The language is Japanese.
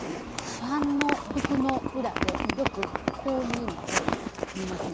市販の服の裏でよくこういうのを見ませんか？